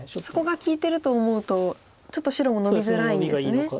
そこが利いてるかと思うとちょっと白もノビづらいんですね。